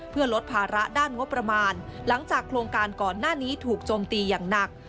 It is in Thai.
เพื่อลดภาระด้านงบประมาณหลังจากโครงการก่อนหน้านี้ถูกโจมตีอย่างหนัก